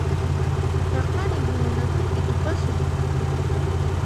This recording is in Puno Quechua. Paqarin huñunakuypi tupasun.